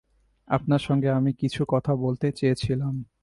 আপনার সঙ্গে আমি কিছু কথা বলতে চেয়েছিলাম।